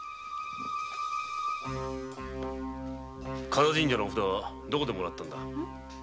加太神社のお札はどこでもらったんだ？